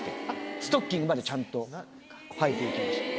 ストッキングまでちゃんとはいていきました。